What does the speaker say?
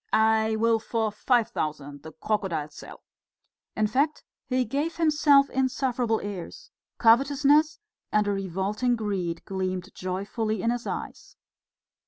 I will for five thousand the crocodile sell!" In fact he gave himself insufferable airs. Covetousness and a revolting greed gleamed joyfully in his eyes.